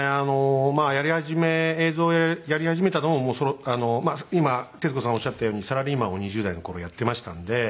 まあやり始め映像をやり始めたのも今徹子さんおっしゃったようにサラリーマンを２０代の頃やってましたんで。